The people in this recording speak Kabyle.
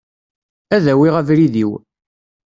Ad awiɣ abrid-iw.